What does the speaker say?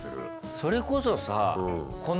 それこそさこの。